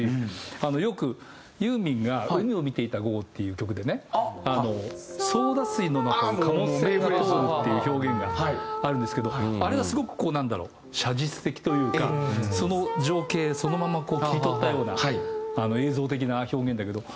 よくユーミンが『海を見ていた午後』っていう曲でね「ソーダ水の中を貨物船がとおる」っていう表現があるんですけどあれがすごくなんだろう写実的というかその情景そのまま切り取ったような映像的な表現だけど。